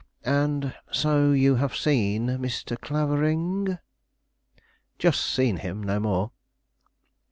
And so you have seen Mr. Clavering?" "Just seen him; no more."